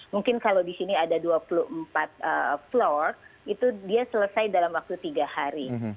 mungkin kalau di sini ada dua puluh empat floor itu dia selesai dalam waktu tiga hari